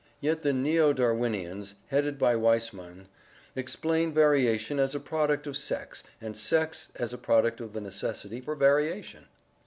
Yet the Neo Darwinians, headed by Weismann, explain variation as a product of sex, and sex as a product of the necessity for variation!